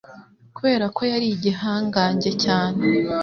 kubera ko yari igihangange cyane